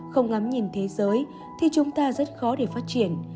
không ngắm nhìn thế giới thì chúng ta rất khó để phát triển